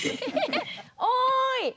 おい！